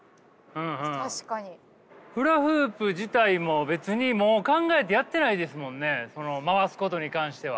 フラフープ自体も別にもう考えてやってないですもんね回すことに関しては。